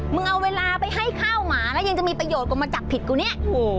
เอาเวลาไปให้ข้าวหมาแล้วยังจะมีประโยชน์กว่ามาจับผิดกูเนี่ย